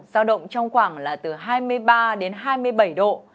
giao động trong khoảng là từ hai mươi ba đến hai mươi bảy độ